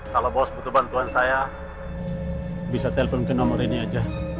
kalau bos butuh bantuan saya bisa telpon ke nomor ini aja